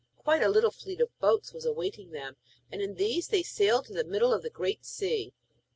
Quite a little fleet of boats was awaiting them and in these they sailed to the middle of the Great Sea.